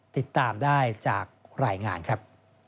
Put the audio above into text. ติดตามได้จากรายงานครับ